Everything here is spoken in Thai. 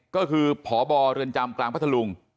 ก็คือพบเรือนจำกลางพัทธลุง